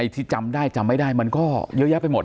ที่จำได้จำไม่ได้มันก็เยอะแยะไปหมด